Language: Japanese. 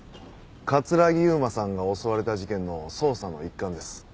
城悠真さんが襲われた事件の捜査の一環です。